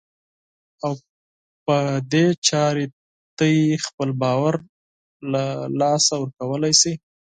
او په دې چارې تاسې خپل باور له لاسه ورکولای شئ.